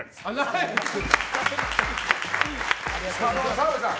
澤部さん